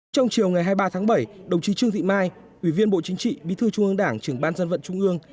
trong chiều ngày hai mươi ba tháng bảy đồng chí trương thị mai ủy viên bộ chính trị bí thư trung ương đảng trưởng ban dân vận trung ương